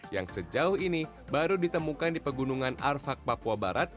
yang sejauh ini baru ditemukan di pegunungan arfak papua barat